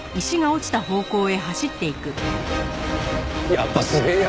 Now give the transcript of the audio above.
やっぱすげえや！